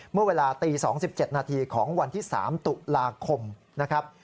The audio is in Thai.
เมื่อเวลาตี๒๗นาทีของวันที่๓ตุลาคมนะครับ